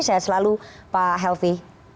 saya selalu pak helvi